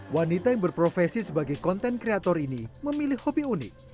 wanita yang berprofesi sebagai konten kreator ini memilih hobi unik